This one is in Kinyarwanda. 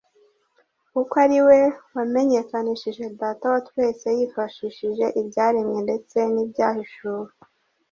kuko ari we wamenyekanishije Data wa twese yifashishije ibyaremwe, ndetse n'ibyahishuwe.